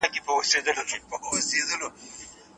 هغه غواړي د خولې بد بوی کم کړي.